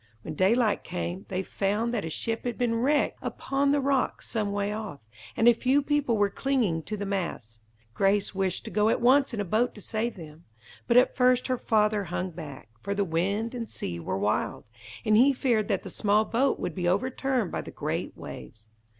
When daylight came, they found that a ship had been wrecked upon the rocks some way off, and a few people were clinging to the masts. Grace wished to go at once in a boat to save them; but at first her father hung back, for the wind and sea were wild, and he feared that the small boat would be overturned by the great waves.